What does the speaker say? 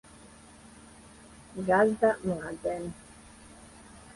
Газда Младен